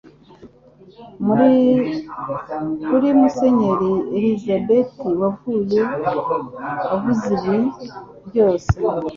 kuri Musenyeri Elizabeth wavuze ibi byose